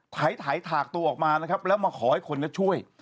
ไถถากตัวออกมานะครับแล้วมาขอให้คนช่วย